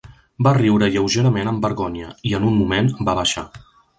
Va riure lleugerament amb vergonya, i en un moment va baixar.